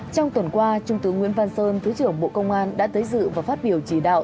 trong tuần qua trung tướng nguyễn văn sơn thứ trưởng bộ công an đã tới dự và phát biểu chỉ đạo